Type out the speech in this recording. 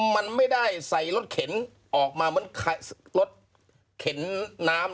มันไม่ได้ใส่รถเข็นออกมาเหมือนรถเข็นน้ำ